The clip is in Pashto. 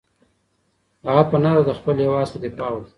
هغه په نره له خپل هېواد څخه دفاع وکړه.